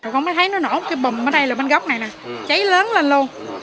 không thấy nó nổ cái bùm ở đây là bên góc này nè cháy lớn lên luôn